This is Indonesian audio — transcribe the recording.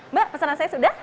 mbak pesanan saya sudah